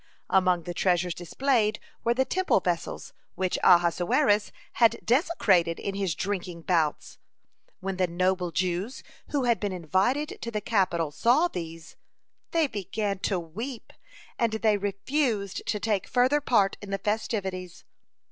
'" (10) Among the treasures displayed were the Temple vessels, which Ahasuerus had desecrated in his drinking bouts. When the noble Jews who had been invited to the capital saw these, they began to weep, and they refused to take further part in the festivities.